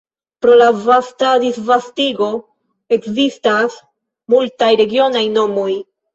Pro la vasta disvastigo ekzistas multaj regionaj nomoj.